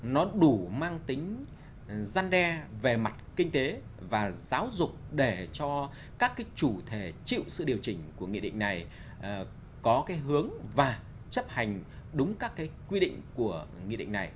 nó đủ mang tính gian đe về mặt kinh tế và giáo dục để cho các cái chủ thể chịu sự điều chỉnh của nghị định này có cái hướng và chấp hành đúng các cái quy định của nghị định này